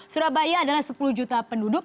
surabaya adalah sepuluh juta penduduk